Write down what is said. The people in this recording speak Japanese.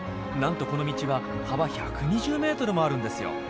なんとこの道は幅１２０ｍもあるんですよ！